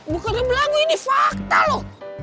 bukannya belagu ini fakta lo